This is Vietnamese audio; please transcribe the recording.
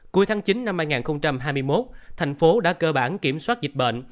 cuối tháng chín năm hai nghìn hai mươi một thành phố đã cơ bản kiểm soát dịch bệnh